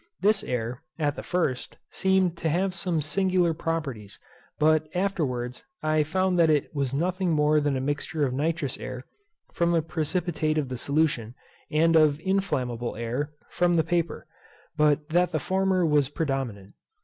This air, at the first, seemed to have some singular properties, but afterwards I found that it was nothing more than a mixture of nitrous air, from the precipitate of the solution, and of inflammable air, from the paper; but that the former was predominant.